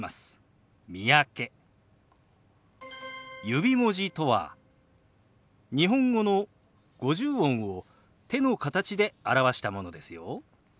指文字とは日本語の五十音を手の形で表したものですよ。